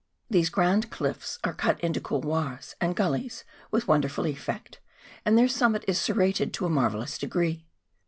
These grand cliffs are cut into couloirs and gullies with wonderful effect, and their summit is serrated to a marvellous degree.